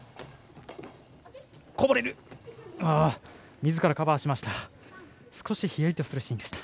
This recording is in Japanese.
みずからカバーしました。